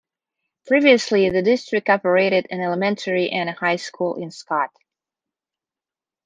Previously, the district operated an elementary and a high school in Scott.